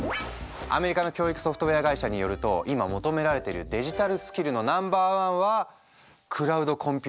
アメリカの教育ソフトウェア会社によると今求められてるデジタルスキルのナンバー１はクラウドコンピューティング。